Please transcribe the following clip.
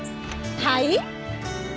はい？